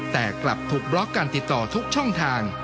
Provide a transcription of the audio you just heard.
แต่กลับถูกบล็อกการติดต่อทุกช่องทาง